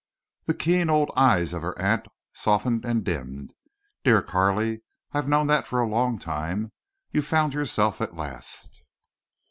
The keen old eyes of her aunt softened and dimmed. "Dear Carley, I've known that for a long time. You've found yourself at last."